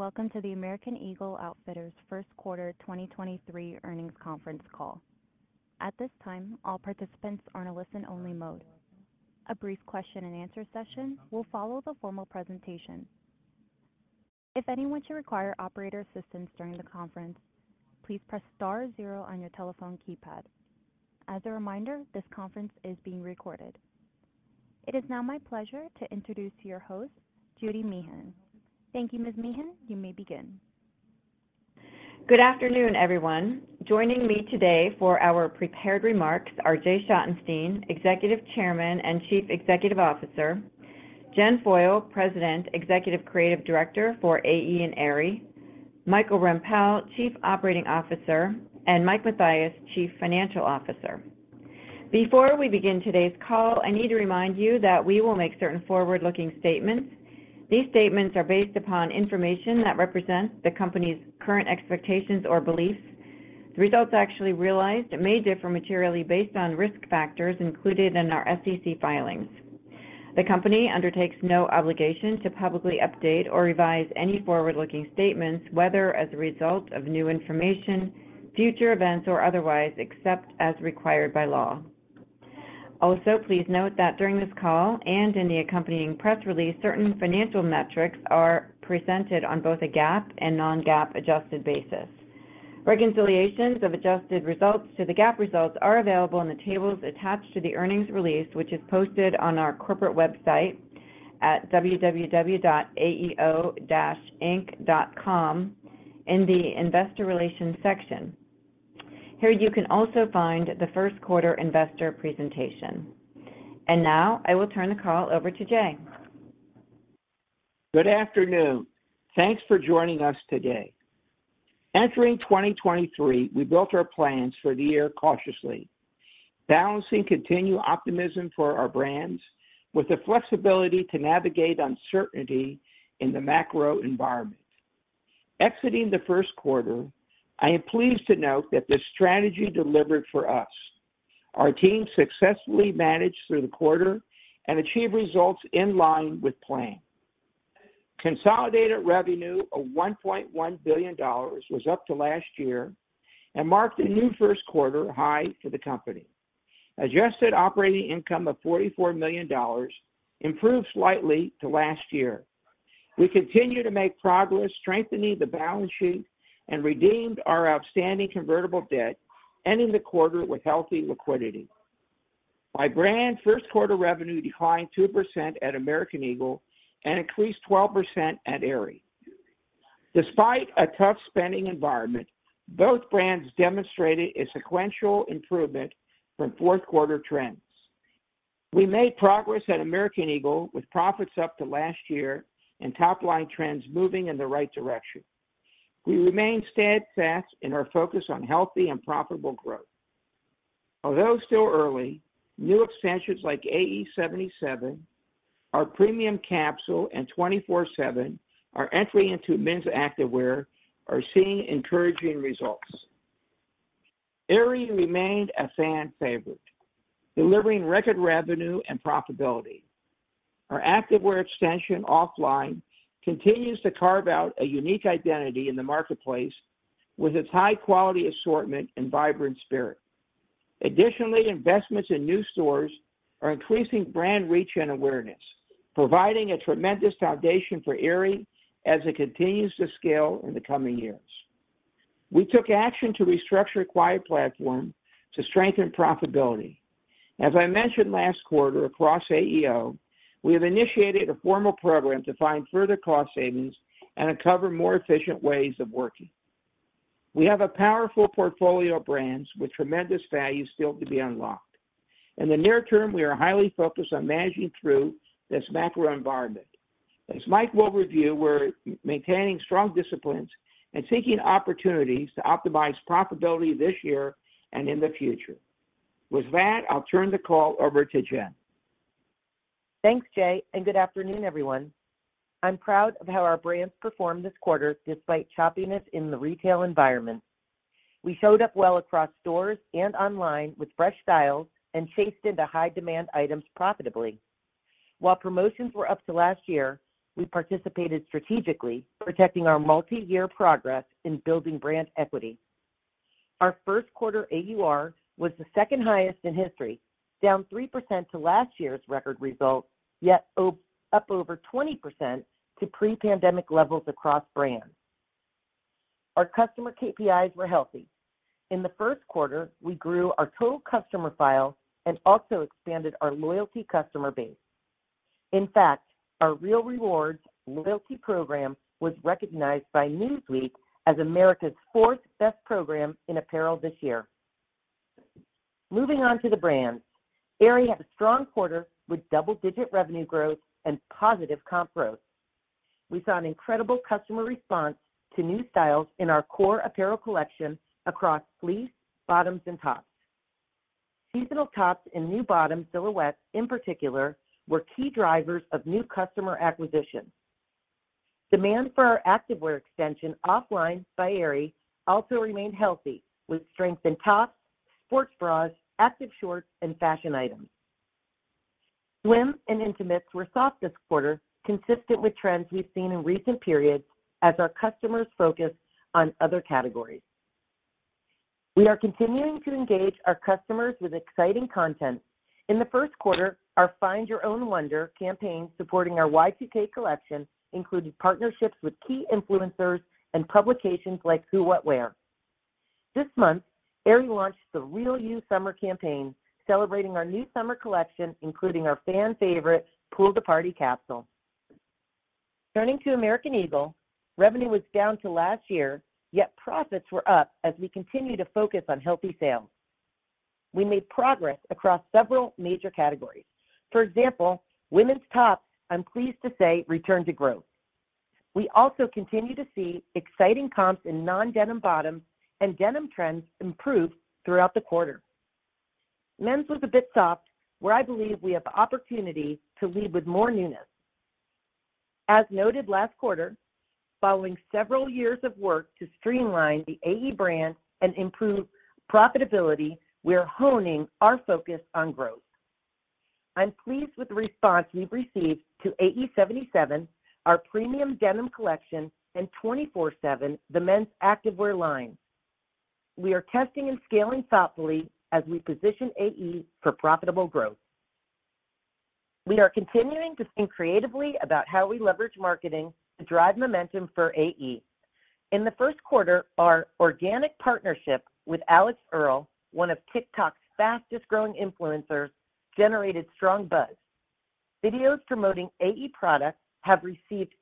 Thanks, welcome to the American Eagle Outfitters Q1 2023 earnings conference call. At this time, all participants are in a listen only mode. A brief question and answer session will follow the formal presentation. If anyone should require operator assistance during the conference, please press star 0 on your telephone keypad. As a reminder, this conference is being recorded. It is now my pleasure to introduce your host, Judy Meehan. Thank you, Ms. Meehan. You may begin. Good afternoon, everyone. Joining me today for our prepared remarks are Jay Schottenstein, Executive Chairman and Chief Executive Officer, Jennifer Foyle, President, Executive Creative Director for AE and Aerie, Michael Rempell, Chief Operating Officer, and Mike Mathias, Chief Financial Officer. Before we begin today's call, I need to remind you that we will make certain forward-looking statements. These statements are based upon information that represents the company's current expectations or beliefs. The results actually realized may differ materially based on risk factors included in our SEC filings. The company undertakes no obligation to publicly update or revise any forward-looking statements, whether as a result of new information, future events, or otherwise, except as required by law. Please note that during this call and in the accompanying press release, certain financial metrics are presented on both a GAAP and non-GAAP adjusted basis. Reconciliations of adjusted results to the GAAP results are available in the tables attached to the earnings release, which is posted on our corporate website at www.aeo-inc.com in the Investor Relations section. Here, you can also find the Q1 investor presentation. Now I will turn the call over to Jay. Good afternoon. Thanks for joining us today. Entering 2023, we built our plans for the year cautiously, balancing continued optimism for our brands with the flexibility to navigate uncertainty in the macro environment. Exiting the Q1, I am pleased to note that this strategy delivered for us. Our team successfully managed through the quarter and achieved results in line with plan. Consolidated revenue of $1.1 billion was up to last year and marked a new Q1 high for the company. Adjusted operating income of $44 million improved slightly to last year. We continue to make progress strengthening the balance sheet and redeemed our outstanding convertible debt, ending the quarter with healthy liquidity. By brand, Q1 revenue declined 2% at American Eagle and increased 12% at Aerie. Despite a tough spending environment, both brands demonstrated a sequential improvement from Q4 trends. We made progress at American Eagle with profits up to last year and top line trends moving in the right direction. We remain steadfast in our focus on healthy and profitable growth. Although still early, new expansions like AE.77, our premium capsule, and 24/7 are entering into men's activewear are seeing encouraging results. Aerie remained a fan favorite, delivering record revenue and profitability. Our activewear extension OFFLINE continues to carve out a unique identity in the marketplace with its high quality assortment and vibrant spirit. Investments in new stores are increasing brand reach and awareness, providing a tremendous foundation for Aerie as it continues to scale in the coming years. We took action to restructure Quiet Platforms to strengthen profitability. As I mentioned last quarter, across AEO, we have initiated a formal program to find further cost savings and uncover more efficient ways of working. We have a powerful portfolio of brands with tremendous value still to be unlocked. In the near term, we are highly focused on managing through this macro environment. As Mike will review, we're maintaining strong disciplines and seeking opportunities to optimize profitability this year and in the future. I'll turn the call over to Jen. Thanks, Jay. Good afternoon, everyone. I'm proud of how our brands performed this quarter despite choppiness in the retail environment. We showed up well across stores and online with fresh styles and chased into high demand items profitably. While promotions were up to last year, we participated strategically protecting our multi-year progress in building brand equity. Our Q1 AUR was the second highest in history, down 3% to last year's record result, yet up over 20% to pre-pandemic levels across brands. Our customer KPIs were healthy. In the Q1, we grew our total customer file and also expanded our loyalty customer base. In fact, our Real Rewards loyalty program was recognized by Newsweek as America's fourth best program in apparel this year. Moving on to the brands. Aerie had a strong quarter with double-digit revenue growth and positive comp growth. We saw an incredible customer response to new styles in our core apparel collection across fleece, bottoms, and tops. Seasonal tops and new bottom silhouettes in particular were key drivers of new customer acquisition. Demand for our activewear extension OFFLINE by Aerie also remained healthy with strength in tops, sports bras, active shorts, and fashion items. Swim and intimates were soft this quarter, consistent with trends we've seen in recent periods as our customers focus on other categories. We are continuing to engage our customers with exciting content. In the Q1, our Find Your Own Wonder campaign supporting our Y2K collection included partnerships with key influencers and publications like Who What Wear. This month, Aerie launched the Real You summer campaign celebrating our new summer collection, including our fan favorite Pool-To-Party capsule. Turning to American Eagle, revenue was down to last year, yet profits were up as we continue to focus on healthy sales. We made progress across several major categories. For example, women's tops, I'm pleased to say, returned to growth. We also continue to see exciting comps in non-denim bottoms and denim trends improved throughout the quarter. Men's was a bit soft, where I believe we have opportunity to lead with more newness. As noted last quarter, following several years of work to streamline the AE brand and improve profitability, we're honing our focus on growth. I'm pleased with the response we've received to AE77, our premium denim collection, and 24/7, the me n's activewear line. We are testing and scaling thoughtfully as we position AE for profitable growth. We are continuing to think creatively about how we leverage marketing to drive momentum for AE. In the Q1, our organic partnership with Alix Earle, one of TikTok's fastest-growing influencers, generated strong buzz. Videos promoting AE products have received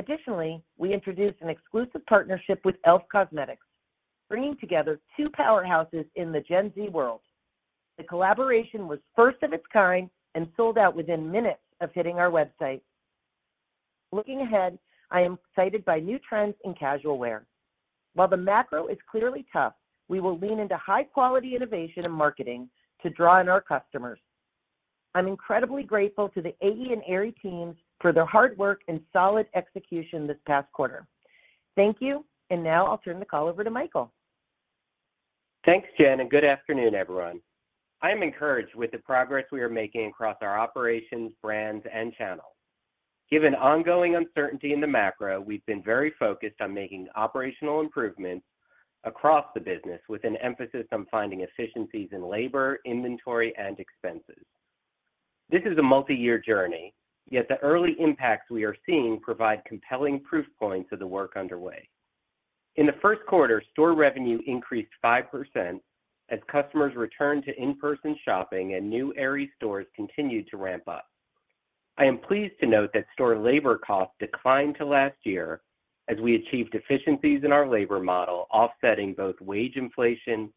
6 million views to date and increased sales velocity of promoted products. We introduced an exclusive partnership with e.l.f. Cosmetics, bringing together two powerhouses in the Gen Z world. The collaboration was first of its kind and sold out within minutes of hitting our website. Looking ahead, I am excited by new trends in casual wear. While the macro is clearly tough, we will lean into high-quality innovation and marketing to draw in our customers. I'm incredibly grateful to the AE and Aerie teams for their hard work and solid execution this past quarter. Thank you, now I'll turn the call over to Michael. Thanks, Jen. Good afternoon, everyone. I am encouraged with the progress we are making across our operations, brands, and channels. Given ongoing uncertainty in the macro, we've been very focused on making operational improvements across the business with an emphasis on finding efficiencies in labor, inventory, and expenses. This is a multiyear journey, yet the early impacts we are seeing provide compelling proof points of the work underway. In the Q1, store revenue increased 5% as customers returned to in-person shopping and new Aerie stores continued to ramp up. I am pleased to note that store labor costs declined to last year as we achieved efficiencies in our labor model, offsetting both wage inflation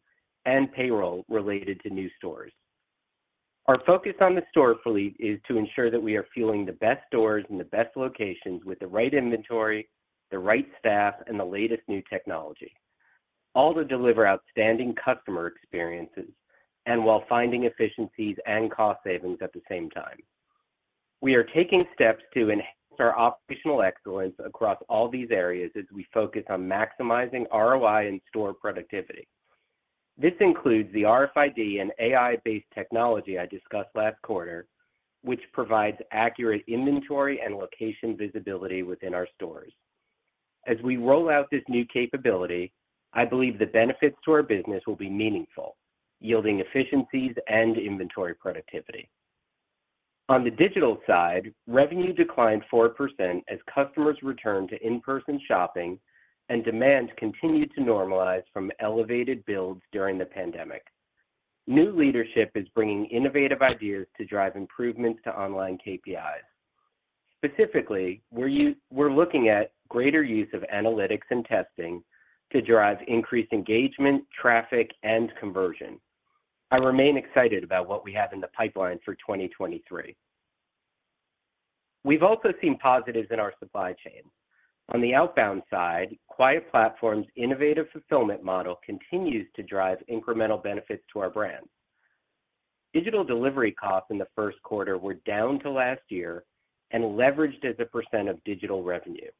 and payroll related to new stores. Our focus on the store fleet is to ensure that we are fueling the best stores in the best locations with the right inventory, the right staff, and the latest new technology, all to deliver outstanding customer experiences and while finding efficiencies and cost savings at the same time. We are taking steps to enhance our operational excellence across all these areas as we focus on maximizing ROI and store productivity. This includes the RFID and AI-based technology I discussed last quarter, which provides accurate inventory and location visibility within our stores. As we roll out this new capability, I believe the benefits to our business will be meaningful, yielding efficiencies and inventory productivity. On the digital side, revenue declined 4% as customers returned to in-person shopping and demand continued to normalize from elevated builds during the pandemic. New leadership is bringing innovative ideas to drive improvements to online KPIs. Specifically, we're looking at greater use of analytics and testing to drive increased engagement, traffic, and conversion. I remain excited about what we have in the pipeline for 2023. We've also seen positives in our supply chain. On the outbound side, Quiet Platforms' innovative fulfillment model continues to drive incremental benefits to our brands. Digital delivery costs in the Q1 were down to last year and leveraged as a percent of digital revenue.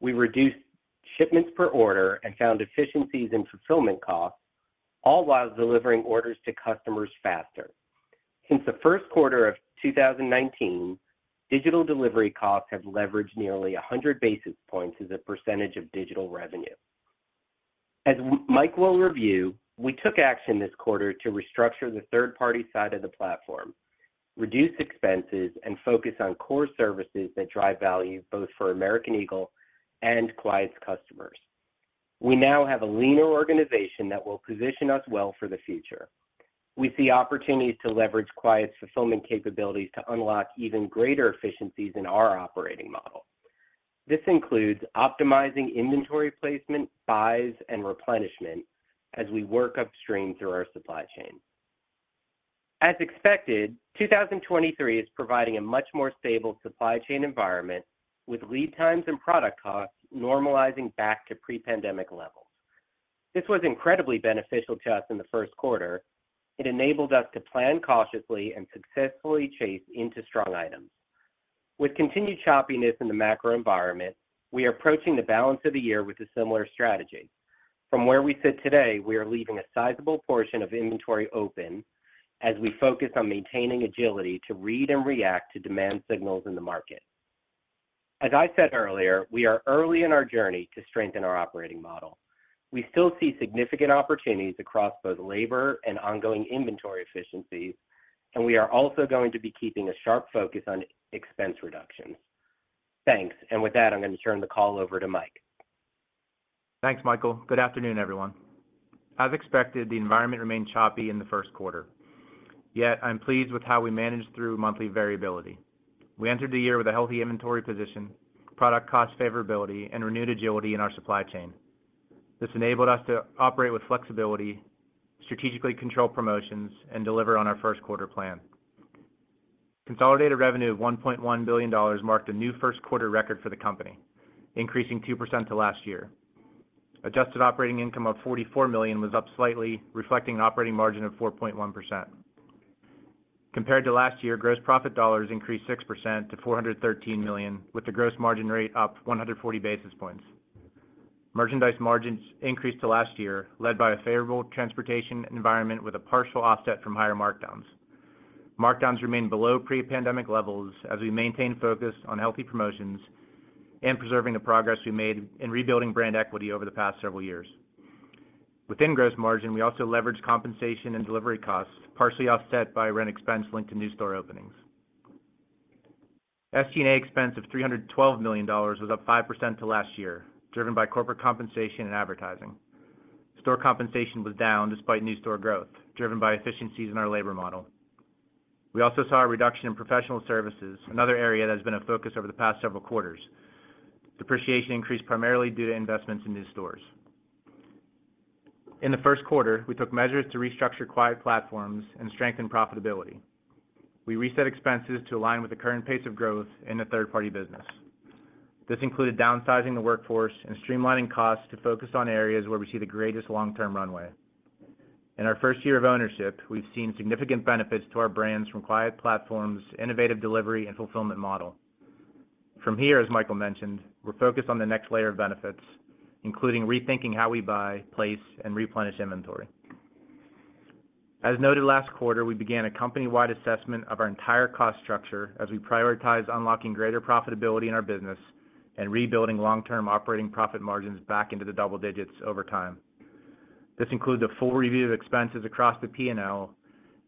We reduced shipments per order and found efficiencies in fulfillment costs, all while delivering orders to customers faster. Since the Q1 of 2019, digital delivery costs have leveraged nearly 100 basis points as a percent of digital revenue. As Mike will review, we took action this quarter to restructure the third-party side of the platform, reduce expenses, and focus on core services that drive value both for American Eagle and Quiet's customers. We now have a leaner organization that will position us well for the future. We see opportunities to leverage Quiet's fulfillment capabilities to unlock even greater efficiencies in our operating model. This includes optimizing inventory placement, buys, and replenishment as we work upstream through our supply chain. As expected, 2023 is providing a much more stable supply chain environment with lead times and product costs normalizing back to pre-pandemic levels. This was incredibly beneficial to us in the Q1. It enabled us to plan cautiously and successfully chase into strong items. With continued choppiness in the macro environment, we are approaching the balance of the year with a similar strategy. From where we sit today, we are leaving a sizable portion of inventory open as we focus on maintaining agility to read and react to demand signals in the market. As I said earlier, we are early in our journey to strengthen our operating model. We still see significant opportunities across both labor and ongoing inventory efficiencies, we are also gonna be keeping a sharp focus on expense reductions. Thanks. With that, I'm gonna turn the call over to Mike. Thanks, Michael. Good afternoon, everyone. As expected, the environment remained choppy in the Q1. I'm pleased with how we managed through monthly variability. We entered the year with a healthy inventory position, product cost favorability, and renewed agility in our supply chain. This enabled us to operate with flexibility, strategically control promotions, and deliver on our Q1 plan. Consolidated revenue of $1.1 billion marked a new Q1 record for the company, increasing 2% to last year. Adjusted operating income of $44 million was up slightly, reflecting an operating margin of 4.1%. Compared to last year, gross profit dollars increased 6% to $413 million, with the gross margin rate up 140 basis points. Merchandise margins increased to last year, led by a favorable transportation environment with a partial offset from higher markdowns. Markdowns remain below pre-pandemic levels as we maintain focus on healthy promotions and preserving the progress we made in rebuilding brand equity over the past several years. Within gross margin, we also leveraged compensation and delivery costs, partially offset by rent expense linked to new store openings. SG&A expense of $312 million was up 5% to last year, driven by corporate compensation and advertising. Store compensation was down despite new store growth, driven by efficiencies in our labor model. We also saw a reduction in professional services, another area that has been a focus over the past several quarters. Depreciation increased primarily due to investments in new stores. In the Q1, we took measures to restructure Quiet Platforms and strengthen profitability. We reset expenses to align with the current pace of growth in the third-party business. This included downsizing the workforce and streamlining costs to focus on areas where we see the greatest long-term runway. In our first year of ownership, we've seen significant benefits to our brands from Quiet Platforms' innovative delivery and fulfillment model. From here, as Michael mentioned, we're focused on the next layer of benefits, includin g rethinking how we buy, place, and replenish inventory. As noted last quarter, we began a company-wide assessment of our entire cost structure as we prioritize unlocking greater profitability in our business and rebuilding long-term operating profit margins back into the double digits over time. This includes a full review of expenses across the P&L,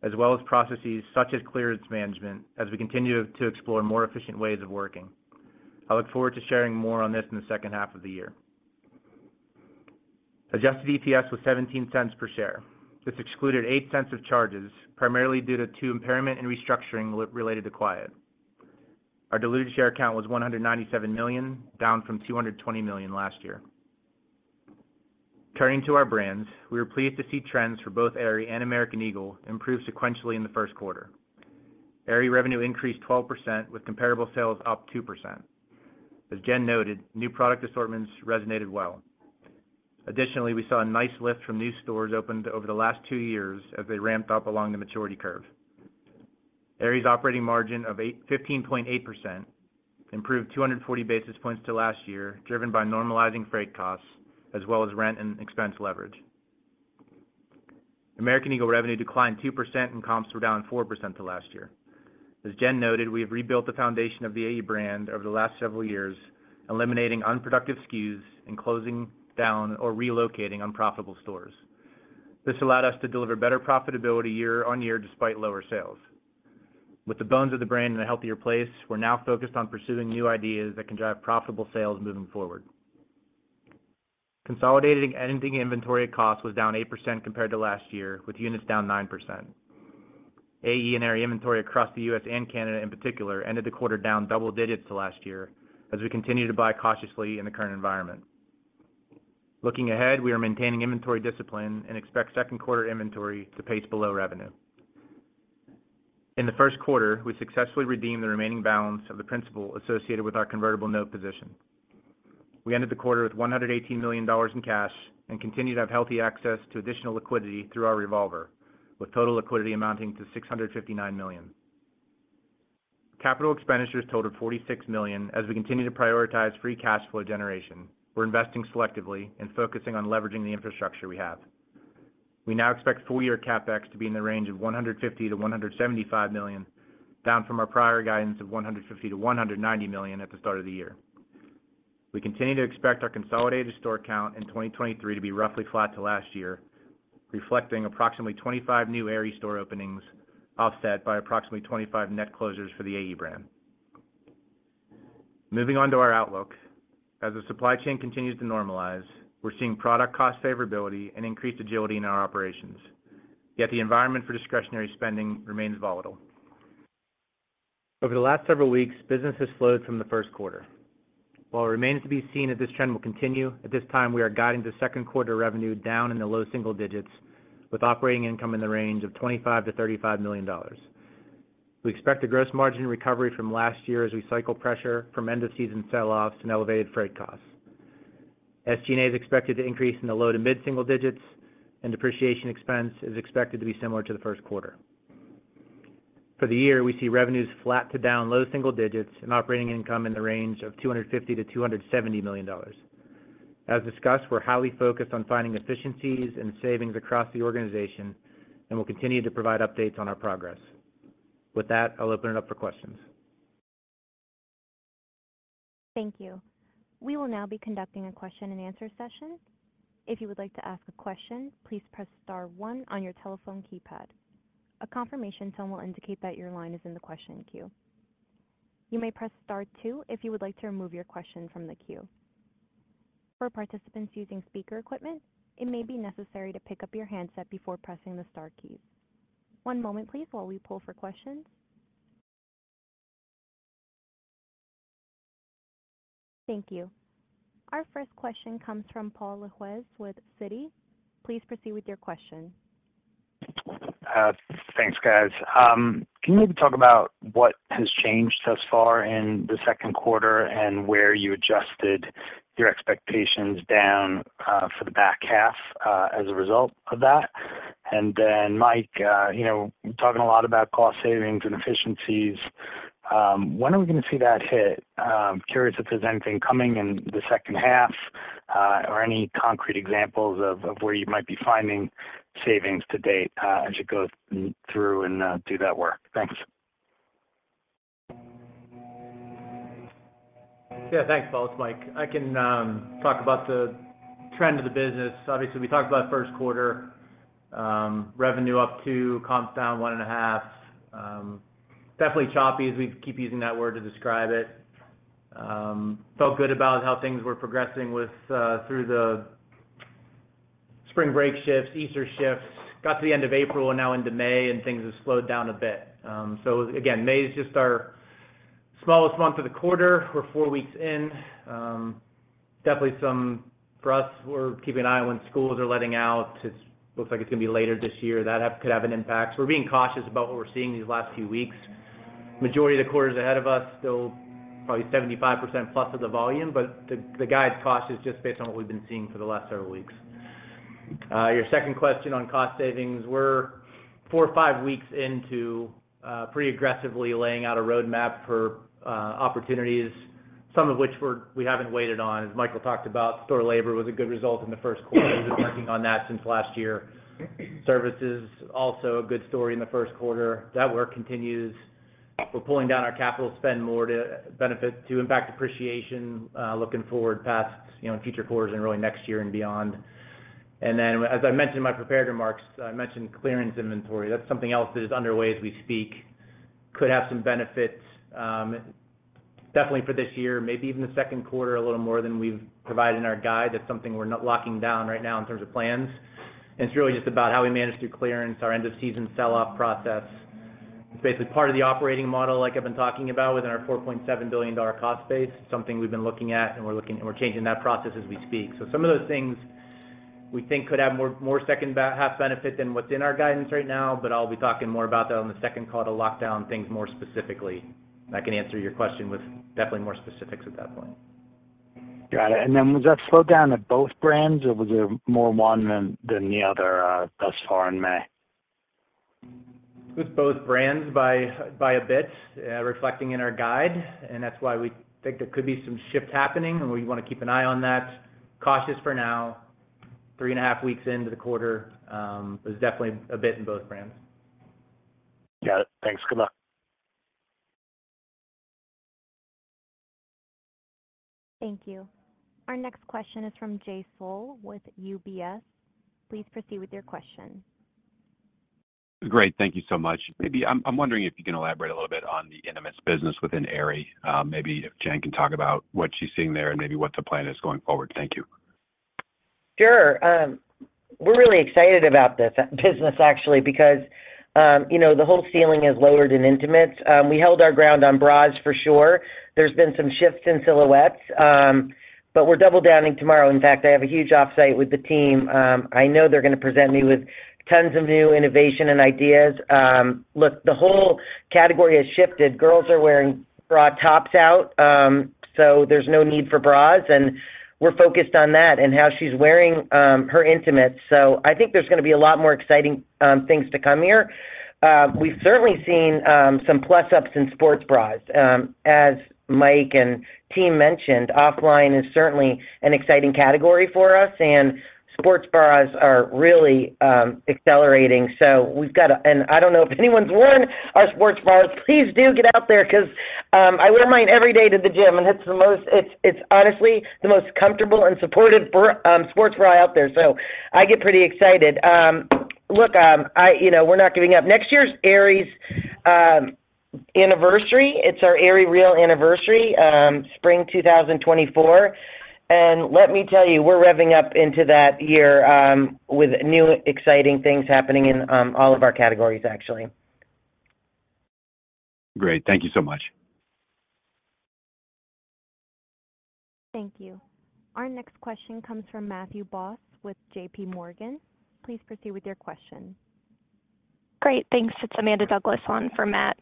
as well as processes such as clearance management as we continue to explore more efficient ways of working. I look forward to sharing more on this in the second half of the year. Adjusted EPS was $0.17 per share. This excluded $0.08 of charges, primarily due to two impairment and restructuring related to Quiet. Our diluted share count was 197 million, down from 220 million last year. Turning to our brands, we were pleased to see trends for both Aerie and American Eagle improve sequentially in the Q1. Aerie revenue increased 12% with comparable sales up 2%. As Jen noted, new product assortments resonated well. Additionally, we saw a nice lift from new stores opened over the last two years as they ramped up along the maturity curve. Aerie's operating margin of 15.8% improved 240 basis points to last year, driven by normalizing freight costs, as well as rent and expense leverage. American Eagle revenue declined 2% and comps were down 4% to last year. As Jen noted, we have rebuilt the foundation of the AE brand over the last several years, eliminating unproductive SKUs and closing down or relocating unprofitable stores. This allowed us to deliver better profitability year-over-year despite lower sales. With the bones of the brand in a healthier place, we're now focused on pursuing new ideas that can drive profitable sales moving forward. Consolidated ending inventory cost was down 8% compared to last year, with units down 9%. AE and Aerie inventory across the U.S. and Canada in particular ended the quarter down double digits to last year as we continue to buy cautiously in the current environment. Looking ahead, we are maintaining inventory discipline and expect Q2 inventory to pace below revenue. In the Q1, we successfully redeemed the remaining balance of the principal associated with our convertible note position. We ended the quarter with $118 million in cash and continue to have healthy access to additional liquidity through our revolver, with total liquidity amounting to $659 million. Capital expenditures totaled $46 million as we continue to prioritize free cash flow generation. We're investing selectively and focusing on leveraging the infrastructure we have. We now expect full year CapEx to be in the range of $150 million to 175 million, down from our prior guidance of $150 million to 190 million at the start of the year. We continue to expect our consolidated store count in 2023 to be roughly flat to last year, reflecting approximately 25 new Aerie store openings, offset by approximately 25 net closures for the AE brand. Moving on to our outlook. As the supply chain continues to normalize, we're seeing product cost favorability and increased agility in our operations. The environment for discretionary spending remains volatile. Over the last several weeks, business has slowed from the Q1. It remains to be seen if this trend will continue, at this time, we are guiding the Q2 revenue down in the low single digits with operating income in the range of $25 million to 35 million. We expect a gross margin recovery from last year as we cycle pressure from end-of-season sell-offs and elevated freight costs. SG&A is expected to increase in the low to mid single digits and depreciation expense is expected to be similar to the Q1. For the year, we see revenues flat to down low single digits and operating income in the range of $250 million to 270 million. As discussed, we're highly focused on finding efficiencies and savings across the organization, and we'll continue to provide updates on our progress. With that, I'll open it up for questions. Thank you. We will now be conducting a question and answer session. If you would like to ask a question, please press star one on your telephone keypad. A confirmation tone will indicate that your line is in the question queue. You may press star two if you would like to remove your question from the queue. For participants using speaker equipment, it may be necessary to pick up your handset before pressing the star keys. One moment please while we pull for questions. Thank you. Our first question comes from Paul Lejuez with Citi. Please proceed with your question. Thanks, guys. Can you maybe talk about what has changed thus far in the Q2 and where you adjusted your expectations down for the back half as a result of that? Then Mike, you know, talking a lot about cost savings and efficiencies, when are we gonna see that hit? Curious if there's anything coming in the second half or any concrete examples of where you might be finding savings to date as you go through and do that work. Thanks. Yeah. Thanks, Paul. It's Mike. I can talk about the trend of the business. Obviously, we talked about Q1, revenue up 2%, comps down 1.5%. Definitely choppy as we keep using that word to describe it. Felt good about how things were progressing with through the spring break shifts, Easter shifts. Got to the end of April and now into May and things have slowed down a bit. Again, May is just our smallest month of the quarter. We're 4 weeks in. Definitely some for us, we're keeping an eye on when schools are letting out. It looks like it's gonna be later this year. That could have an impact. We're being cautious about what we're seeing these last few weeks. majority of the quarter is ahead of us, still probably 75% plus of the volume, the guide cost is just based on what we've been seeing for the last several weeks. Your second question on cost savings, we're four or five weeks into pretty aggressively laying out a roadmap for opportunities, some of which we haven't waited on. As Michael Rempell talked about, store labor was a good result in the Q1. We've been working on that since last year. Services, also a good story in the Q1. That work continues. We're pulling down our capital spend more to benefit to impact appreciation, looking forward past, you know, future quarters and really next year and beyond. As I mentioned in my prepared remarks, I mentioned clearance inventory. That's something else that is underway as we speak. Could have some benefits, definitely for this year, maybe even the Q2, a little more than we've provided in our guide. That's something we're not locking down right now in terms of plans. It's really just about how we manage through clearance, our end of season sell-off process. It's basically part of the operating model, like I've been talking about within our $4.7 billion cost base, something we've been looking at, and we're changing that process as we speak. Some of those things we think could have more secon d half benefit than what's in our guidance right now, but I'll be talking more about that on the second call to lock down things more specifically. I can answer your question with definitely more specifics at that point. Got it. Was that slowdown at both brands or was it more one than the other, thus far in May? With both brands by a bit, reflecting in our guide. That's why we think there could be some shift happening. We wanna keep an eye on that. Cautious for now. Three and a half weeks into the quarter, was definitely a bit in both brands. Got it. Thanks. Good luck. Thank you. Our next question is from Jay Sole with UBS. Please proceed with your question. Great. Thank you so much. Maybe I'm wondering if you can elaborate a little bit on the intimates business within Aerie. Maybe if Jen can talk about what she's seeing there and maybe what the plan is going forward. Thank you. Sure. We're really excited about this business actually, because, you know, the whole ceiling has lowered in intimates. We held our ground on bras for sure. There's been some shifts in silhouettes, but we're double downing tomorrow. In fact, I have a huge offsite with the team. I know they're gonna present me with tons of new innovation and ideas. Look, the whole category has shifted. Girls are wearing bra tops out, so there's no need for bras, and we're focused on that and how she's wearing her intimates. I think there's gonna be a lot more exciting things to come here. We've certainly seen some plus ups in sports bras. As Mike and team mentioned, OFFLINE is certainly an exciting category for us, and sports bras are really accelerating. We've got a... I don't know if anyone's worn our sports bras. Please do get out there 'cause I wear mine every day to the gym, and it's honestly the most comfortable and supportive sports bra out there. I get pretty excited. I, you know, we're not giving up. Next year's Aerie's anniversary. It's our Aerie REAL anniversary, spring 2024. Let me tell you, we're revving up into that year with new exciting things happening in all of our categories, actually. Great. Thank you so much. Thank you. Our next question comes from Matthew Boss with JPMorgan. Please proceed with your question. Great. Thanks. It's Chris Nardone on for Matt.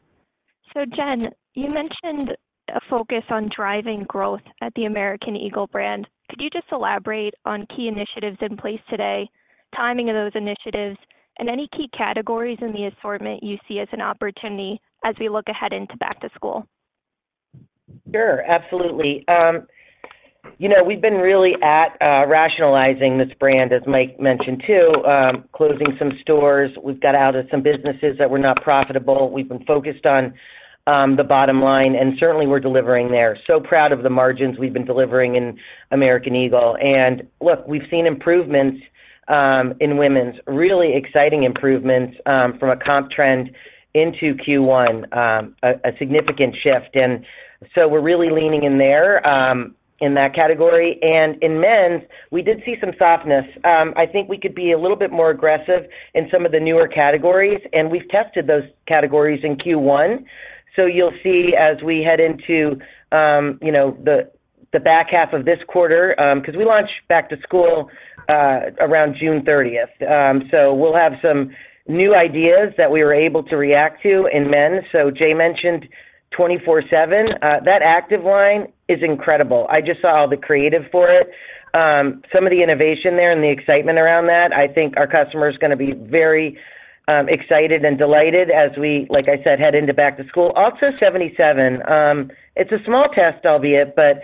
Jen, you mentioned a focus on driving growth at the American Eagle brand. Could you just elaborate on key initiatives in place today, timing of those initiatives, and any key categories in the assortment you see as an opportunity as we look ahead into back to school? Sure, absolutely. You know, we've been really at rationalizing this brand, as Mike mentioned, too, closing some stores. We've got out of some businesses that were not profitable. We've been focused on the bottom line, certainly we're delivering there. Proud of the margins we've been delivering in American Eagle. Look, we've seen improvements in women's. Really exciting improvements from a comp trend into Q1, a significant shift. We're really leaning in there in that category. In men's, we did see some softness. I think we could be a little bit more aggressive in some of the newer categories, we've tested those categories in Q1. You'll see as we head into, you know, the back half of this quarter, 'cause we launch back to school around June thirtieth. We'll have some new ideas that we were able to react to in men's. Jay mentioned 24/7. That active line is incredible. I just saw all the creative for it. Some of the innovation there and the excitement around that, I think our customer is gonna be very excited and delighted as we, like I said, head into back to school. Also AE77. It's a small test, albeit, but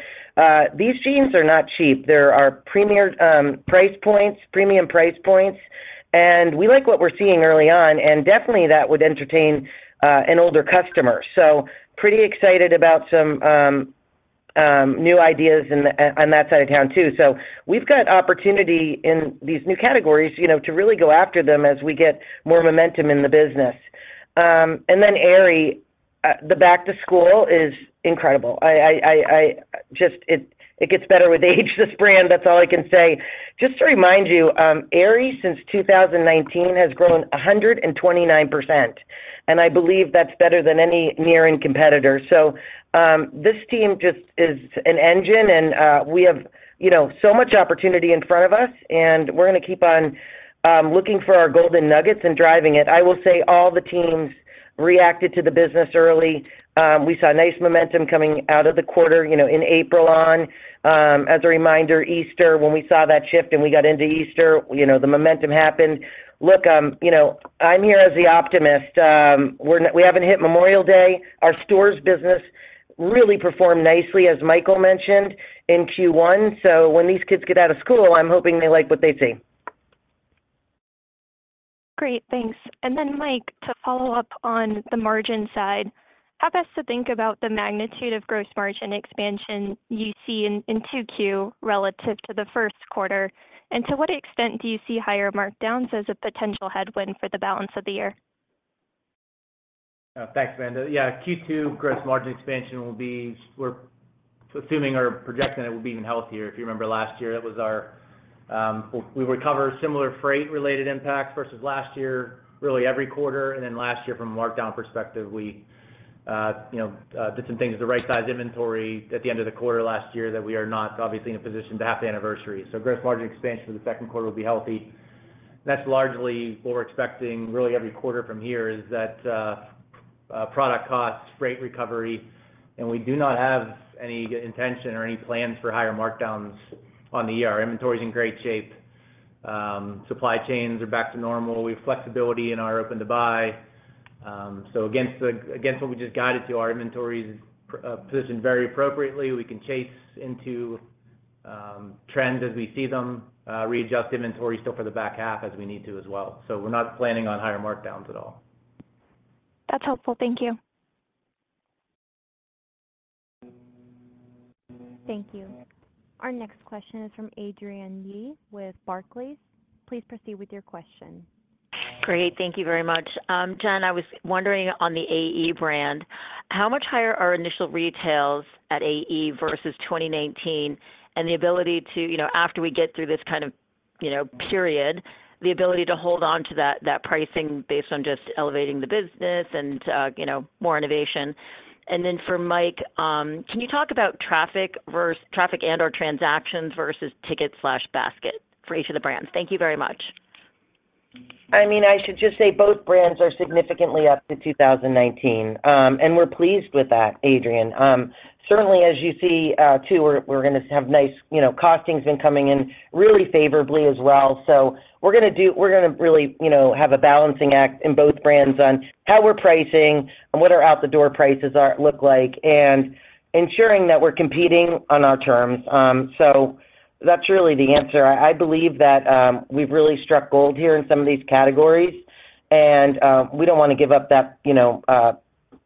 these jeans are not cheap. They're our premier price points, premium price points, and we like what we're seeing early on, and definitely that would entertain an older customer. pretty excited about some new ideas on that side of town too. We've got opportunity in these new categories, you know, to really go after them as we get more momentum in the business. Aerie, the back to school is incredible. I just. It gets better with age, this brand. That's all I can say. Just to remind you, Aerie since 2019 has grown 129%, and I believe that's better than any near and competitor. This team just is an engine, and we have, you know, so much opportunity in front of us, and we're gonna keep on looking for our golden nuggets and driving it. I will say all the teams reacted to the business early. We saw nice momentum coming out of the quarter, you know, in April on. As a reminder, Easter, when we saw that shift, and we got into Easter, you know, the momentum happened. Look, you know, I'm here as the optimist. We haven't hit Memorial Day. Our stores business really performed nicely, as Michael mentioned, in Q1. When these kids get out of school, I'm hoping they like what they see. Great. Thanks. Then Mike, to follow up on the margin side, how best to think about the magnitude of gross margin expansion you see in two Q relative to the Q1? To what extent do you see higher markdowns as a potential headwind for the balance of the year? Thanks, Amanda. Yeah, Q2 gross margin expansion will be. We're assuming or projecting it will be even healthier. If you remember last year, that was our. We recovered similar freight related impacts versus last year, really every quarter. Last year from a markdown perspective, we, you know, did some things to right-size inventory at the end of the quarter last year that we are not obviously in a position to have the anniversary. Gross margin expansion for the Q2 will be healthy. That's largely what we're expecting really every quarter from here is that product costs, freight recovery. We do not have any intention or any plans for higher markdowns on the year. Our inventory is in great shape. Supply chains are back to normal. We have flexibility in our open to buy. Against what we just guided to, our inventory is positioned very appropriately. We can chase into trends as we see them, readjust inventory still for the back half as we need to as well. We're not planning on higher markdowns at all. That's helpful. Thank you. Thank you. Our next question is from Adrienne Yih with Barclays. Please proceed with your question. Great. Thank you very much. Jen, I was wondering on the AE brand, how much higher are initial retails at AE versus 2019 and the ability to, you know, after we get through this kind of, you know, period, the ability to hold on to that pricing based on just elevating the business and, you know, more innovation. For Mike, can you talk about traffic and/or transactions versus ticket/basket for each of the brands? Thank you very much. I mean, I should just say both brands are significantly up to 2019. We're pleased with that, Adrienne. Certainly as you see, too, we're gonna have nice, you know, costing's been coming in really favorably as well. We're gonna really, you know, have a balancing act in both brands on how we're pricing and what our out the door prices look like and ensuring that we're competing on our terms. That's really the answer. I believe that we've really struck gold here in some of these categories and we don't wanna give up that, you know,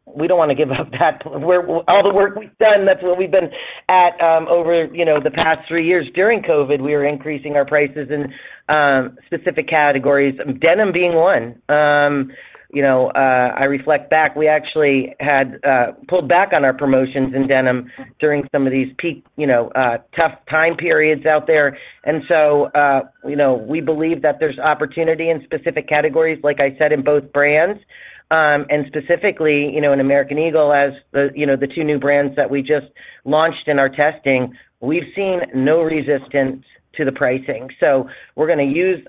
we don't wanna give up all the work we've done. That's where we've been at, over, you know, the past 3 years. During COVID, we were increasing our prices in specific categories, denim being one. You know, I reflect back, we actually had pulled back on our promotions in denim during some of these peak, you know, tough time periods out there. You know, we believe that there's opportunity in specific categories, like I said, in both brands. Specifically, you know, in American Eagle as the, you know, the two new brands that we just launched in our testing, we've seen no resistance to the pricing. We're gonna use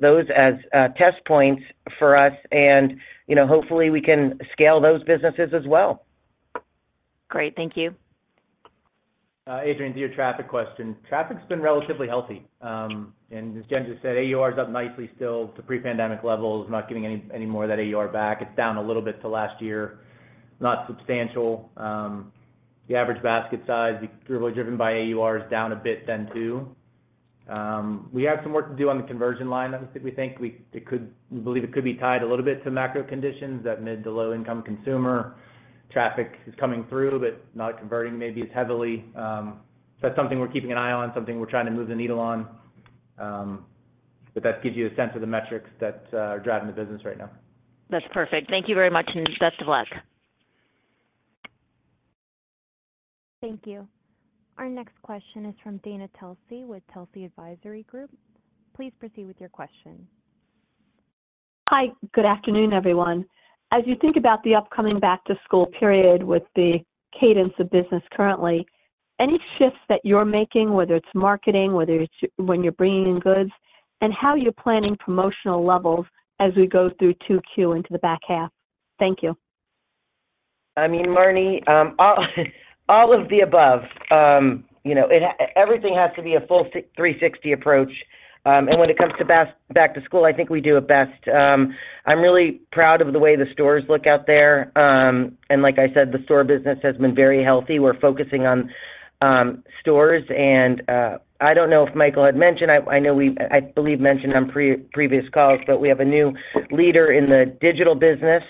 those as test points for us and, you know, hopefully we can scale those businesses as well. Great. Thank you. Adrienne, to your traffic question. Traffic's been relatively healthy. As Jen just said, AUR's up nicely still to pre-pandemic levels, not giving any more of that AUR back. It's down a little bit to last year. Not substantial. The average basket size driven by AUR is down a bit then too. We have some work to do on the conversion line that we think. We believe it could be tied a little bit to macro conditions that mid to low-income consumer traffic is coming through, but not converting maybe as heavily. That's something we're keeping an eye on, something we're trying to move the needle on. That gives you a sense of the metrics that are driving the business right now. That's perfect. Thank you very much and best of luck. Thank you. Our next question is from Dana Telsey with Telsey Advisory Group. Please proceed with your question. Hi. Good afternoon, everyone. As you think about the upcoming back to school period with the cadence of business currently, any shifts that you're making, whether it's marketing, whether it's when you're bringing in goods, and how you're planning promotional levels as we go through 2Q into the back half? Thank you. I mean, Marni, all of the above. You know, everything has to be a full 360 approach. When it comes to back to school, I think we do it best. I'm really proud of the way the stores look out there. Like I said, the store business has been very healthy. We're focusing on stores and I don't know if Michael had mentioned, I know we mentioned on previous calls, but we have a new leader in the digital business,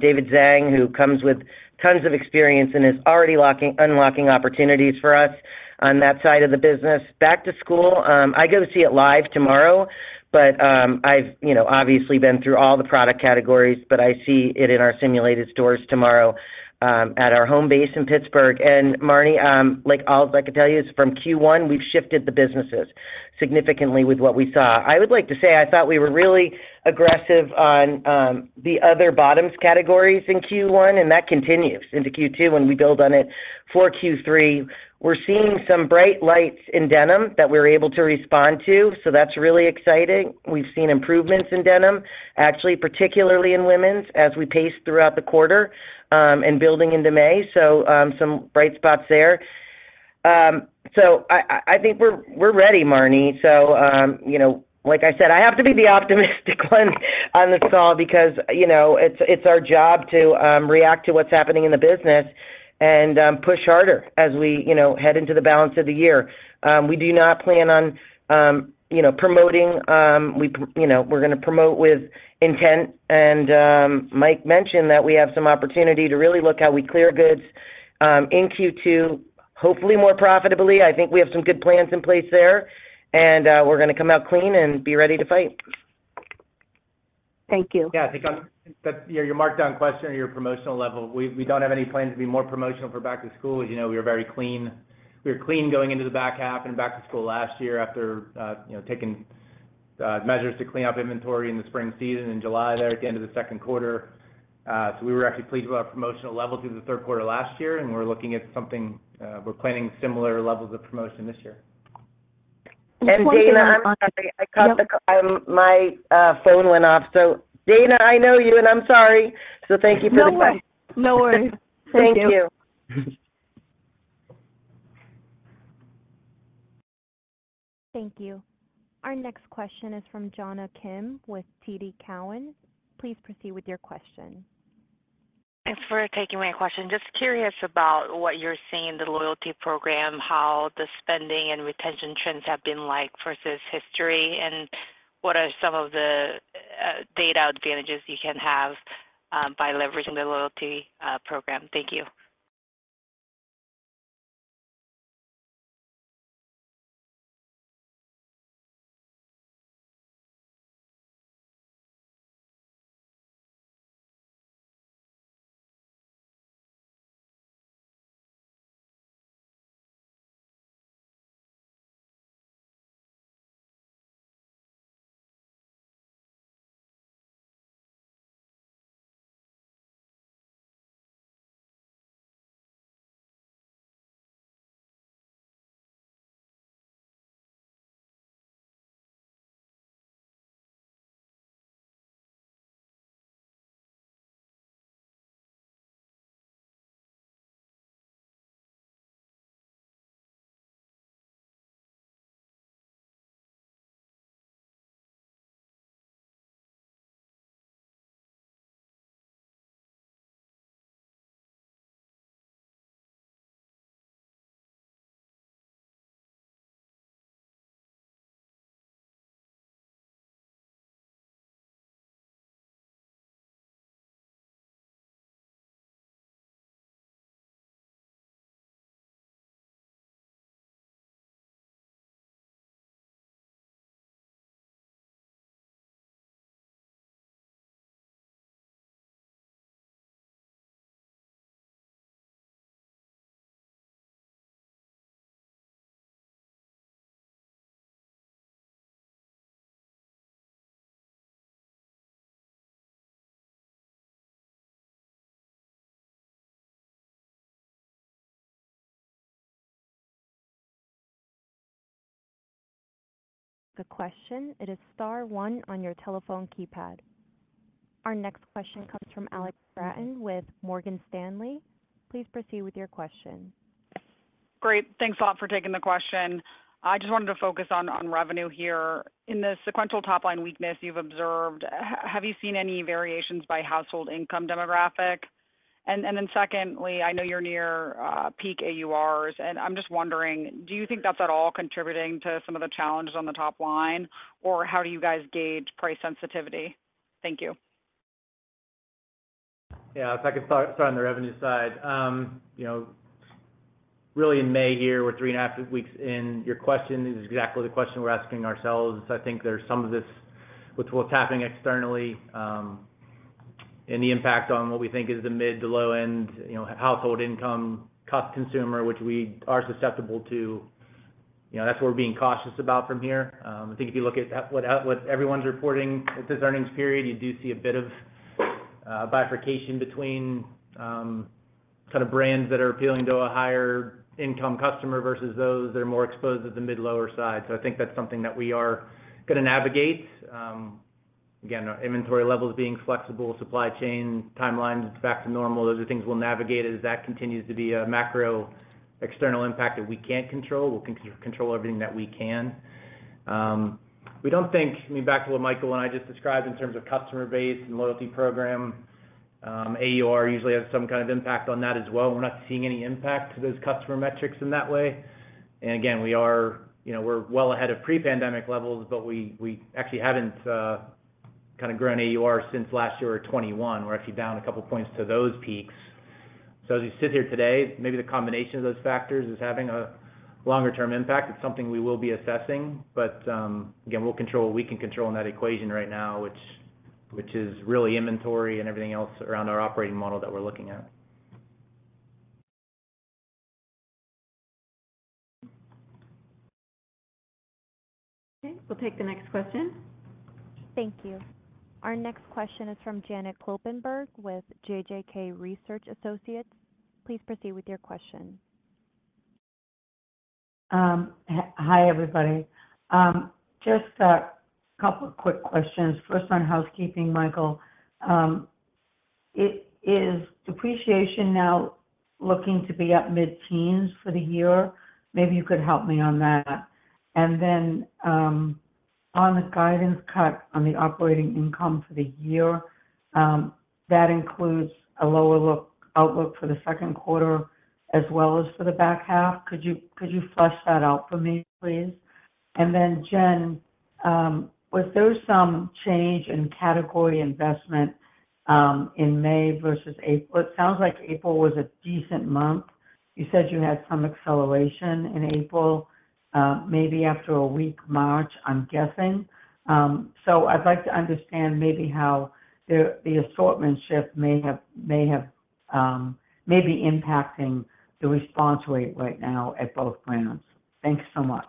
David Zhang, who comes with tons of experience and is already unlocking opportunities for us on that side of the business. Back to school, I go see it live tomorrow, but I've, you know, obviously been through all the product categories, but I see it in our simulated stores tomorrow, at our home base in Pittsburgh. Marnie, like, alls I could tell you is from Q1, we've shifted the businesses significantly with what we saw. I would like to say I thought we were really aggressive on the other bottoms categories in Q1, and that continues into Q2 when we build on it for Q3. We're seeing some bright lights in denim that we're able to respond to, so that's really exciting. We've seen improvements in denim, actually, particularly in women's as we pace throughout the quarter, and building into May, so some bright spots there. I, I think we're ready, Marnie. You know, like I said, I have to be the optimistic one on this call because, you know, it's our job to react to what's happening in the business and push harder as we, you know, head into the balance of the year. We do not plan on, you know, promoting. You know, we're gonna promote with intent and Mike mentioned that we have some opportunity to really look how we clear goods in Q2, hopefully more profitably. I think we have some good plans in place there, and we're gonna come out clean and be ready to fight. Thank you. Yeah, I think Your markdown question or your promotional level, we don't have any plans to be more promotional for back to school. As you know, we are very clean. We are clean going into the back half and back to school last year after, you know, taking measures to clean up inventory in the spring season in July there at the end of the Q2. We were actually pleased with our promotional level through the Q3 last year, and we're looking at something, we're planning similar levels of promotion this year. Dana, I'm sorry. My phone went off. Dana, I know you, and I'm sorry. Thank you for the question. No worries. No worries. Thank you. Thank you. Thank you. Our next question is from Jonna Kim with TD Cowen. Please proceed with your question. Thanks for taking my question. Just curious about what you're seeing in the loyalty program, how the spending and retention trends have been like versus history, and what are some of the data advantages you can have by leveraging the loyalty program? Thank you. The question. It is star one on your telephone keypad. Our next question comes from Alex Straton with Morgan Stanley. Please proceed with your question. Great. Thanks a lot for taking the question. I just wanted to focus on revenue here. In the sequential top line weakness you've observed, have you seen any variations by household income demographic? Then secondly, I know you're near peak AURs, and I'm just wondering, do you think that's at all contributing to some of the challenges on the top line, or how do you guys gauge price sensitivity? Thank you. Yeah. If I could start on the revenue side. You know, really in May here, we're 3 and a half weeks in, your question is exactly the question we're asking ourselves. I think there's some of this with what's happening externally, and the impact on what we think is the mid to low end, you know, household income cost consumer, which we are susceptible to. You know, that's what we're being cautious about from here. I think if you look at what everyone's reporting at this earnings period, you do see a bit of bifurcation between kind of brands that are appealing to a higher income customer versus those that are more exposed at the mid-lower side. I think that's something that we are gonna navigate. Again, our inventory levels being flexible, supply chain timelines back to normal, those are things we'll navigate as that continues to be a macro external impact that we can't control. We'll control everything that we can. I mean, back to what Michael and I just described in terms of customer base and loyalty program, AUR usually has some kind of impact on that as well. We're not seeing any impact to those customer metrics in that way. Again, we are, you know, we're well ahead of pre-pandemic levels, but we actually haven't grown AUR since last year or 2021. We're actually down a couple points to those peaks. As we sit here today, maybe the combination of those factors is having a longer term impact. It's something we will be assessing. Again, we'll control what we can control in that equation right now, which is really inventory and everything else around our operating model that we're looking at. Okay. We'll take the next question. Thank you. Our next question is from Janet Kloppenburg with JJK Research Associates. Please proceed with your question. Hi, everybody. Just two quick questions. First on housekeeping, Michael, is depreciation now looking to be at mid-teens for the year? Maybe you could help me on that. On the guidance cut on the operating income for the year, that includes a lower outlook for the Q2 as well as for the back half. Could you flush that out for me, please? Jen, was there some change in category investment in May versus it sounds like April was a decent month. You said you had some acceleration in April, maybe after a weak March, I'm guessing. I'd like to understand maybe how the assortment shift may be impacting the response rate right now at both brands. Thanks so much.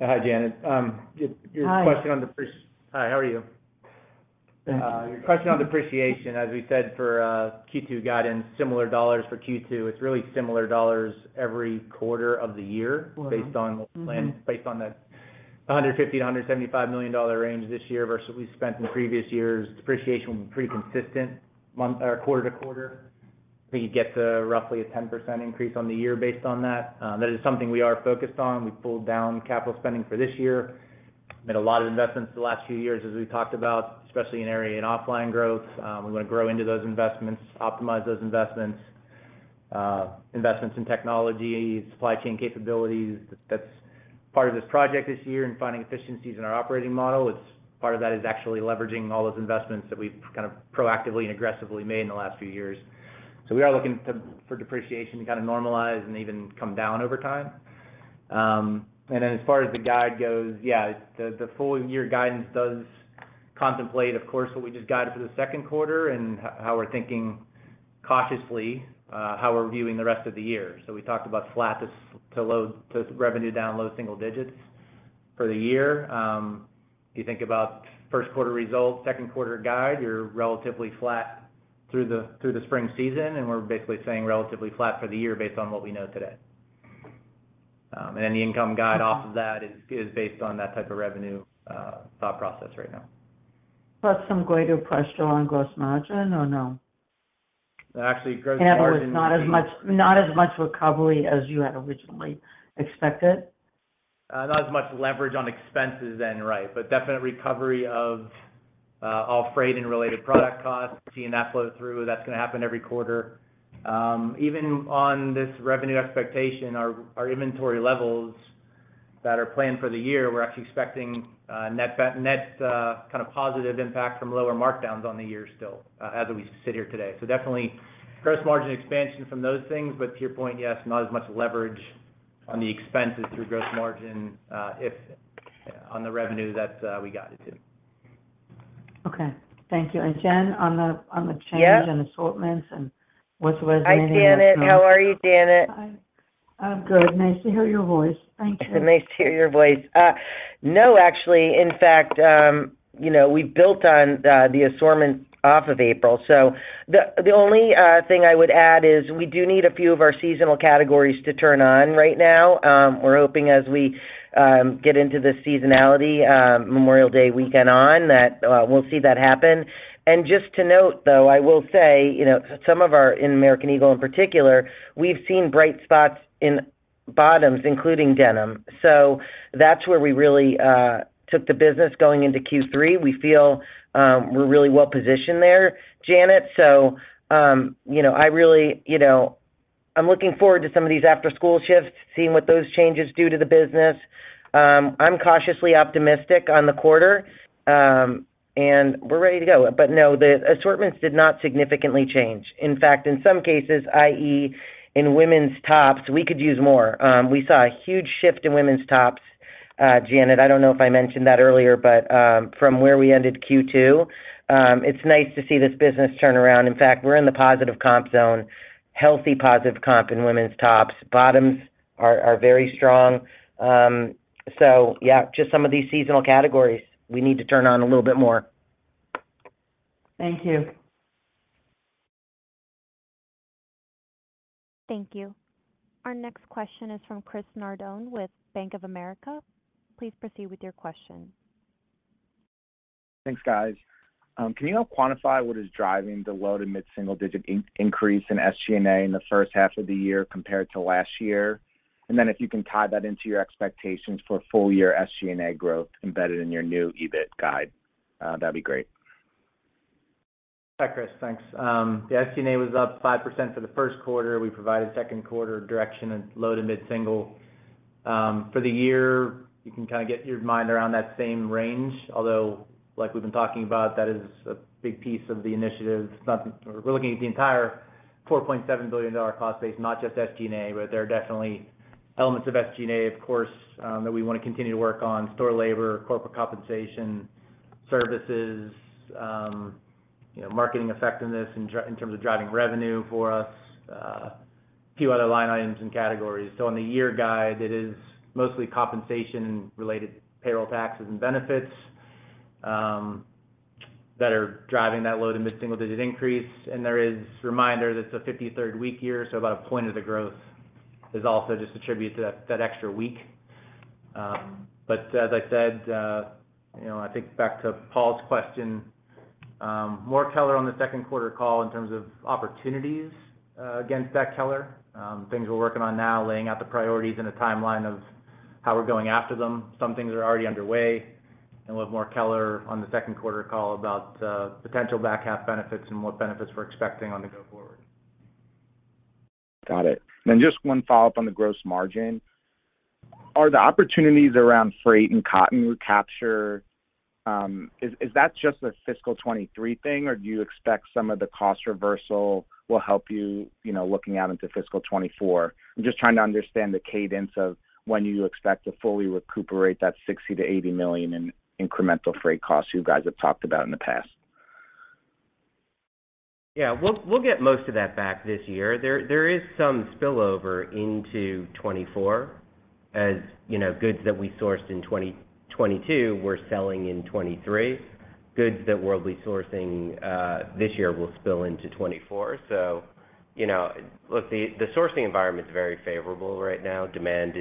Hi, Janet. Hi. Hi, how are you? Thank you. Your question on depreciation, as we said for Q2 guidance, similar dollars for Q2. It's really similar dollars every quarter of the year. Based on what's planned, based on the $150 million to 175 million range this year versus what we spent in previous years. Depreciation was pretty consistent month or quarter-to-quarter. You get to roughly a 10% increase on the year based on that. That is something we are focused on. We pulled down capital spending for this year. Made a lot of investments the last few years as we talked about, especially in Aerie and OFFLINE growth. We wanna grow into those investments, optimize those investments in technology, supply chain capabilities. That's part of this project this year and finding efficiencies in our operating model. Part of that is actually leveraging all those investments that we've kind of proactively and aggressively made in the last few years. We are looking for depreciation to kind of normalize and even come down over time. As far as the guide goes, yeah, the full year guidance does contemplate, of course, what we just guided for the Q2 and how we're thinking cautiously, how we're viewing the rest of the year. We talked about flat to low single digits for the year. If you think about Q1 results, Q2 guide, you're relatively flat through the, through the spring season, and we're basically saying relatively flat for the year based on what we know today. The income guide off of that is based on that type of revenue thought process right now. Plus some greater pressure on gross margin or no? Actually, gross margin. It's not as much recovery as you had originally expected? Not as much leverage on expenses then, right. Definite recovery of all freight and related product costs. Seeing that flow through, that's gonna happen every quarter. Even on this revenue expectation, our inventory levels that are planned for the year, we're actually expecting net kind of positive impact from lower markdowns on the year still as we sit here today. Definitely gross margin expansion from those things, but to your point, yes, not as much leverage on the expenses through gross margin, if on the revenue that we guided to. Okay. Thank you. Jen, on the. Yep... and assortments, and what's resonating- Hi, Janet. How are you, Janet? I'm good. Nice to hear your voice. Thank you. It's nice to hear your voice. no, actually. In fact, you know, we built on the assortment off of April. The only thing I would add is we do need a few of our seasonal categories to turn on right now. We're hoping as we get into the seasonality, Memorial Day weekend on, that we'll see that happen. Just to note, though, I will say, you know, some of our in American Eagle in particular, we've seen bright spots in bottoms, including denim. That's where we really took the business going into Q3. We feel we're really well positioned there, Janet. You know, I'm looking forward to some of these after-school shifts, seeing what those changes do to the business. I'm cautiously optimistic on the quarter, and we're ready to go. No, the assortments did not significantly change. In fact, in some cases, i.e., in women's tops, we could use more. We saw a huge shift in women's tops, Janet. I don't know if I mentioned that earlier, but from where we ended Q2, it's nice to see this business turn around. In fact, we're in the positive comp zone, healthy positive comp in women's tops. Bottoms are very strong. Yeah, just some of these seasonal categories we need to turn on a little bit more. Thank you. Thank you. Our next question is from Chris Nardone with Bank of America. Please proceed with your question. Thanks, guys. Can you help quantify what is driving the low- to mid-single digit percent increase in SG&A in the first half of the year compared to last year? If you can tie that into your expectations for full year SG&A growth embedded in your new EBIT guide, that'd be great. Hi, Chris. Thanks. The SG&A was up 5% for the Q1. We provided Q2 direction of low to mid-single. For the year, you can kinda get your mind around that same range, although, like we've been talking about, that is a big piece of the initiative. We're looking at the entire $4.7 billion cost base, not just SG&A. There are definitely elements of SG&A, of course, that we wanna continue to work on. Store labor, corporate compensation, services, you know, marketing effectiveness in terms of driving revenue for us, few other line items and categories. In the year guide, it is mostly compensation related payroll taxes and benefits that are driving that low- to mid-single digit increase. There is reminder that it's a 53rd week year, so about a point of the growth is also just attributed to that extra week. As I said, you know, I think back to Paul's question, more color on the Q2 call in terms of opportunities against that color, things we're working on now, laying out the priorities and a timeline of how we're going after them. Some things are already underway and we'll have more color on the Q2 call about potential back half benefits and what benefits we're expecting on the go forward. Got it. Just one follow-up on the gross margin. Are the opportunities around freight and cotton recapture, is that just a fiscal 23 thing, or do you expect some of the cost reversal will help you know, looking out into fiscal 24? I'm just trying to understand the cadence of when you expect to fully recuperate that $60 million to 80 million in incremental freight costs you guys have talked about in the past. We'll get most of that back this year. There is some spillover into 2024 as, you know, goods that we sourced in 2022, we're selling in 2023. Goods that we'll be sourcing this year will spill into 2024. You know, look, the sourcing environment's very favorable right now. Demand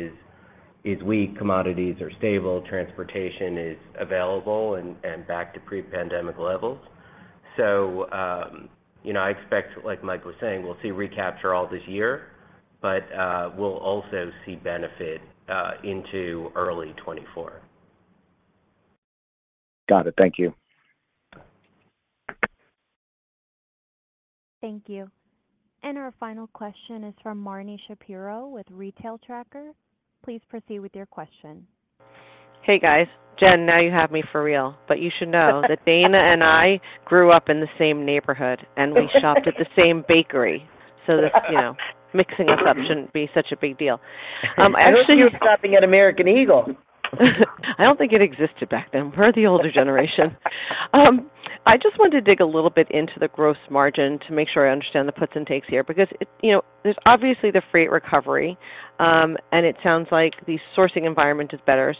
is weak. Commodities are stable. Transportation is available and back to pre-pandemic levels. You know, I expect, like Mike was saying, we'll see recapture all this year, but we'll also see benefit into early 2024. Got it. Thank you. Thank you. Our final question is from Marni Shapiro with Retail Tracker. Please proceed with your question. Hey, guys. Jen, now you have me for real, but you should know that Dana and I grew up in the same neighborhood, and we shopped at the same bakery. This, you know, mixing us up shouldn't be such a big deal. Actually. I hope you were shopping at American Eagle. I don't think it existed back then. We're the older generation. I just wanted to dig a little bit into the gross margin to make sure I understand the puts and takes here. Because you know, there's obviously the freight recovery, and it sounds like the sourcing environment is better.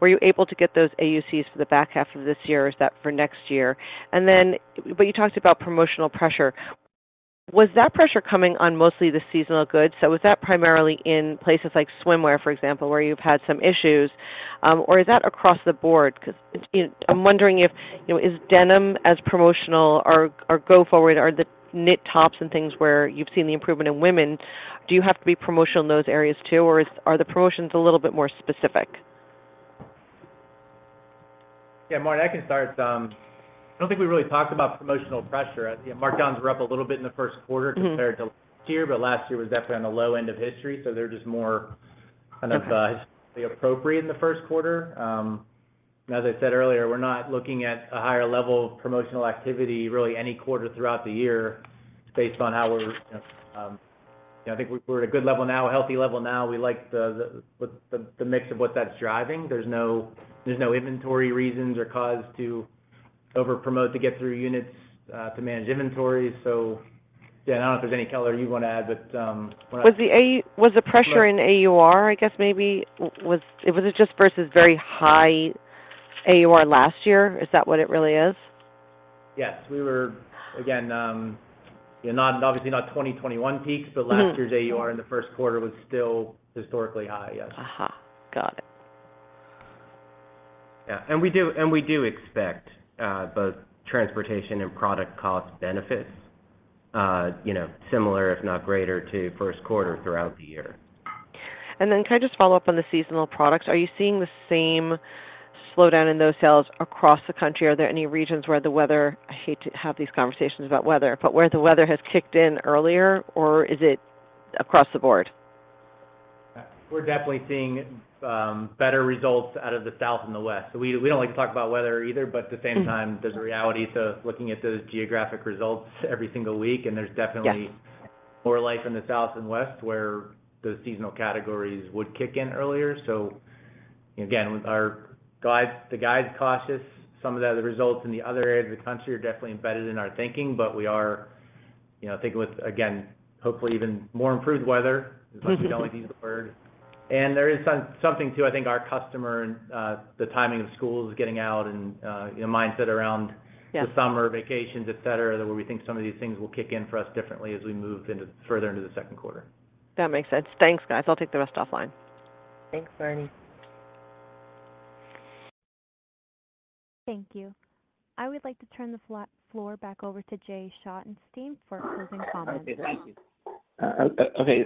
Were you able to get those AUCs for the back half of this year, or is that for next year? You talked about promotional pressure. Was that pressure coming on mostly the seasonal goods? Was that primarily in places like swimwear, for example, where you've had some issues, or is that across the board? I'm wondering if, you know, is denim as promotional or go forward are the knit tops and things where you've seen the improvement in women, do you have to be promotional in those areas too, or are the promotions a little bit more specific? Yeah, Marni, I can start. I don't think we really talked about promotional pressure. Markdowns were up a little bit in the Q1.... compared to last year. Last year was definitely on the low end of history. They're just more kind of, historically appropriate in the Q1. As I said earlier, we're not looking at a higher level of promotional activity really any quarter throughout the year based on how we're, you know, I think we're at a good level now, a healthy level now. We like the mix of what that's driving. There's no, there's no inventory reasons or cause to over-promote to get through units, to manage inventories. I don't know if there's any color you wanna add, but, when I. Was the pressure in AUR, I guess maybe? Was it just versus very high AUR last year? Is that what it really is? Yes. We were, again, you know, not, obviously not 2021 peaks- Last year's AUR in the Q1 was still historically high, yes. Got it. Yeah. We do expect both transportation and product cost benefits, you know, similar if not greater to Q1 throughout the year. Can I just follow up on the seasonal products? Are you seeing the same slowdown in those sales across the country? Are there any regions where the weather, I hate to have these conversations about weather, but where the weather has kicked in earlier, or is it across the board? We're definitely seeing better results out of the South and the West. We don't like to talk about weather either, but at the same time. There's a reality to looking at those geographic results every single week, and there's definitely. Yes... more life in the South and West where those seasonal categories would kick in earlier. Again, with our guides, the guides cautious, some of the other results in the other areas of the country are definitely embedded in our thinking. We are, you know, I think with, again, hopefully even more improved weather. As much as we don't like to use the word. There is something to, I think, our customer and the timing of schools getting out and, you know, mindset around. Yes... the summer vacations, et cetera, that we think some of these things will kick in for us differently as we move into further into the Q2. That makes sense. Thanks, guys. I'll take the rest offline. Thanks, Marni. Thank you. I would like to turn the floor back over to Jay Schottenstein for closing comments. Okay, thank you. Okay.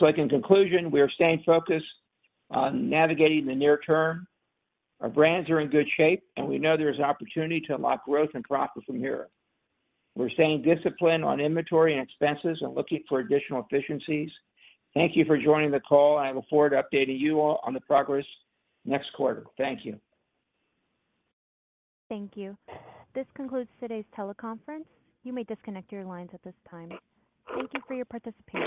I think in conclusion, we are staying focused on navigating the near term. Our brands are in good shape, and we know there's opportunity to unlock growth and profit from here. We're staying disciplined on inventory and expenses and looking for additional efficiencies. Thank you for joining the call. I look forward to updating you all on the progress next quarter. Thank you. Thank you. This concludes today's teleconference. You may disconnect your lines at this time. Thank you for your participation.